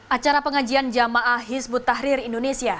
acara pengajian jamaah hizbut tahrir indonesia